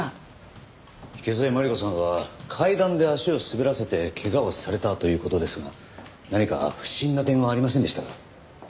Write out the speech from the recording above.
池添鞠子さんは階段で足を滑らせて怪我をされたという事ですが何か不審な点はありませんでしたか？